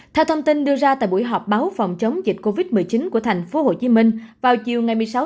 theo thông tin đưa ra tại buổi họp báo phòng chống dịch covid một mươi chín của tp hcm vào chiều một mươi sáu một mươi hai